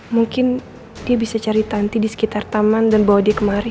mungkin dia bisa cari tanti di sekitar taman dan bawa dia kemari